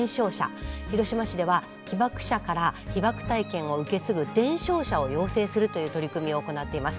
広島市では被爆者から被爆体験を受け継ぐ伝承者を養成するという取り組みを行っています。